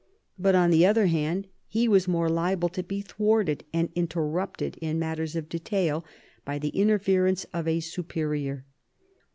But) on the other hand, he was more liable to be thwarted and interrupted in matters of detail by the interference of a superior.